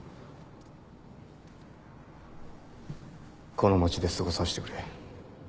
この町で過ごさせてくれ。